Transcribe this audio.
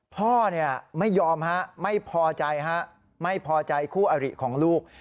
พ่อไม่ยอมไม่พอใจคู่อริของลูก